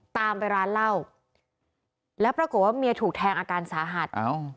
ตามไปร้านเหล้าแล้วปรากฏว่าเมียถูกแทงอาการสาหัสเอ้า